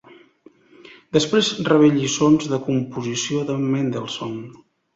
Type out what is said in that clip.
Després rebé lliçons de composició de Mendelssohn.